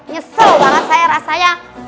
nyesel banget saya rasanya